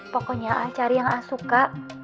pokoknya ah cari yang a suka